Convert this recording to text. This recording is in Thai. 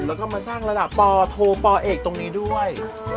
แล้วก็มาสร้างระดับปโทปเอกตรงนี้ด้วย